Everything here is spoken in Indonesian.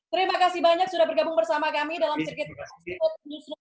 terima kasih banyak sudah bergabung bersama kami dalam circuit